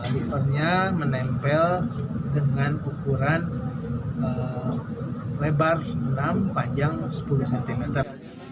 livernya menempel dengan ukuran lebar enam panjang sepuluh cm